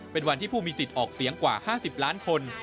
เป็นวันที่ผู้มีสิทธิ์ออกเสียงกว่า๕๐ล้านคน